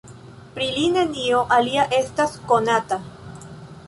Pri li nenio alia estas konata.